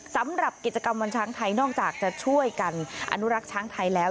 สำหรับกิจกรรมวันช้างไทยนอกจากจะช่วยกันอนุรักษ์ช้างไทยแล้ว